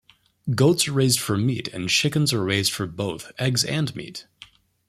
Goats are raised for meat, and chickens are raised for both eggs and meat.